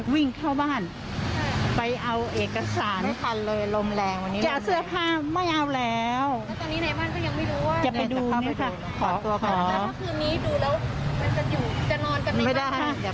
มันระเบิดอย่างแรงระเบิดอย่างแรงเลย